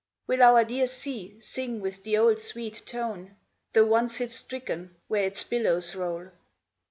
Will our dear sea sing with the old sweet tone, Though one sits stricken where its billows roll?